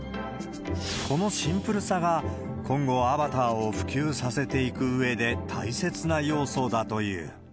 このシンプルさが、今後、アバターを普及させていくうえで大切な要素だという。